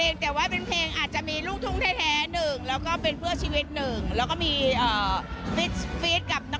ในปีนี้ก็จะออกเพลงเหมือนกัน